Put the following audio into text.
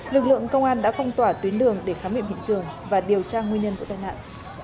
lực lượng công an đã phong tỏa tuyến đường để khám hiểm hình trường và điều tra nguyên nhân của tài nạn